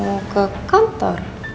mau ke kantor